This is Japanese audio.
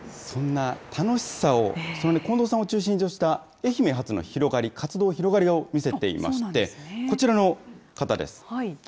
そんな楽しさを、近藤さんを中心とした愛媛発の広がり、活動は広がりを見せていまして、こちらの方です。